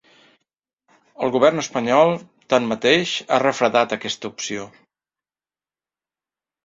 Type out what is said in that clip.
El govern espanyol, tanmateix, ha refredat aquesta opció.